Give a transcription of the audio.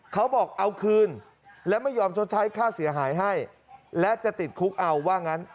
เขาบอกเอาคืนและไม่ยอมชดใช้ค่าเสียหายให้และจะติดคุกเอาว่างั้น